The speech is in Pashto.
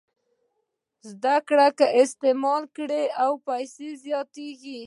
زده کړه که استعمال یې کړئ لا پسې زیاتېږي.